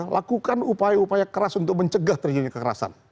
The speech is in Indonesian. lakukan upaya upaya keras untuk mencegah terjadinya kekerasan